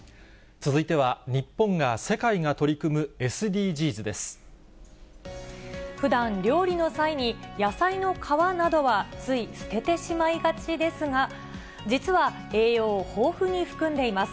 続いては日本が、世界が取りふだん、料理の際に、野菜の皮などはつい捨ててしまいがちですが、実は栄養を豊富に含んでいます。